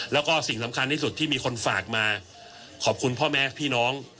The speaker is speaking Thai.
แล้วก็สิ่งสำคัญที่สุดที่มีคนฝากมาขอบคุณพ่อแม่พี่น้อง